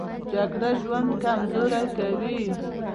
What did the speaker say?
جګړه ژوند کمزوری کوي